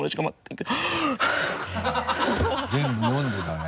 うん全部読んでたね。